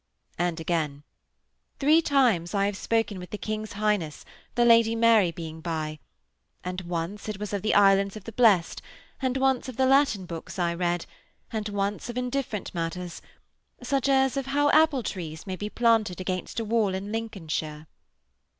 And again: 'Three times I have spoken with the King's Highness, the Lady Mary being by. And once it was of the Islands of the Blest, and once of the Latin books I read, and once of indifferent matters such as of how apple trees may be planted against a wall in Lincolnshire.'